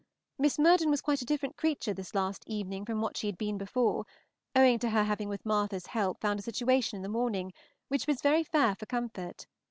Miss Murden was quite a different creature this last evening from what she had been before, owing to her having with Martha's help found a situation in the morning, which bids very fair for comfort.